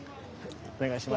お願いします。